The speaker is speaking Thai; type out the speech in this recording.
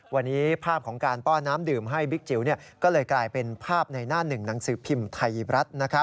วันนี้ภาพของการป้อนน้ำดื่มให้บิ๊กจิ๋วก็เลยกลายเป็นภาพในหน้าหนึ่งหนังสือพิมพ์ไทยรัฐ